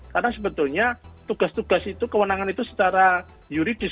karena sebetulnya tugas tugas itu kewenangan itu secara yuridis